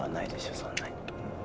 そんなに。